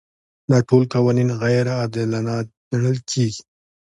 دا ټول قوانین غیر عادلانه ګڼل کیږي.